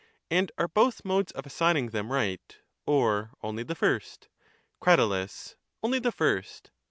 And are both modes of assigning them right, or only the first? Crat. Only the first.